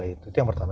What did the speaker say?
itu yang pertama